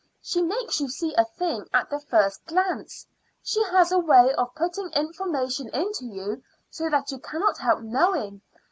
She makes you see a thing at the first glance. She has a way of putting information into you so that you cannot help knowing.